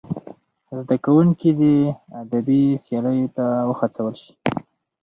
زدهکوونکي دې ادبي سیالیو ته وهڅول سي.